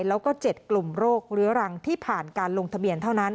แล้วก็๗กลุ่มโรคเรื้อรังที่ผ่านการลงทะเบียนเท่านั้น